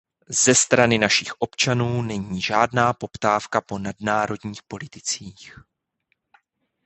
Ze strany našich občanů není žádná poptávka po nadnárodních politicích.